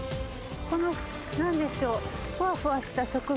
このなんでしょう？